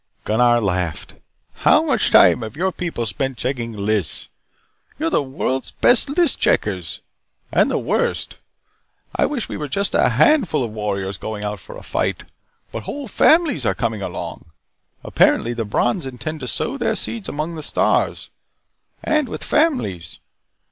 Gunnar laughed. "How much time have your people spent checking lists? You are the world's best list checkers. And the worst. I wish we were just a handful of warriors going out for a fight. But whole families are coming along. Apparently the Brons intend to sow their seed among the stars. And with families.